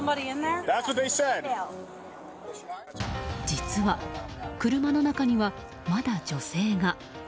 実は、車の中にはまだ女性が。